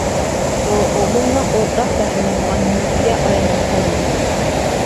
ئۇ ئومۇمنىڭ ئورتاق بەھرىلىنىدىغان مۈلكىگە ئايلىنىپ قالمىسۇن.